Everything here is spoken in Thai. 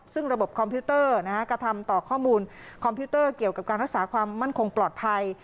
ซึ่งระบบคอมพิวเตอร์กระทำต่อข้อมูลคอมพิวเตอร์เกี่ยวกับการรักษาความมั่นคงปลอดภัย